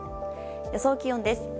予想気温です。